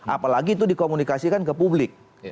apalagi itu dikomunikasikan ke publik